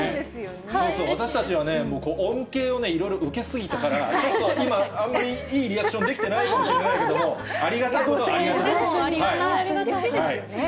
そうそう、私たちはね、恩恵をいろいろ受けすぎたから、ちょっと今、あんまりいいリアクションできてないかもしれないけども、ありがたいことはありがたうれしいですよね。